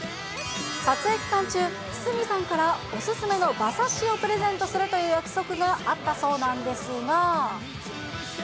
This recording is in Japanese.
撮影期間中、堤さんから、お勧めの馬刺しをプレゼントするという約束があったそうなんですが。